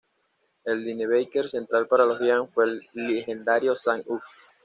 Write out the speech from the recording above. El linebacker central para los Giants fue el legendario Sam Huff.